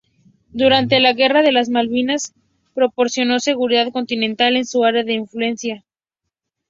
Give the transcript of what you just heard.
Durante la Guerra de las Malvinas proporcionó seguridad continental en su área de influencia.